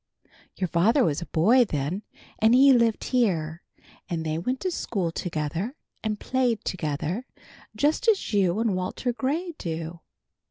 Your father was a boy then, and he lived here, and they went to school together and played together just as you and Walter Gray do.